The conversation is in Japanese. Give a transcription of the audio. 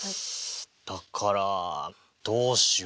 だからどうしようかな。